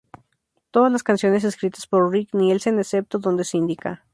Todas las canciones escritas por Rick Nielsen, excepto donde se indica.